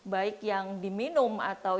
baik yang diminum atau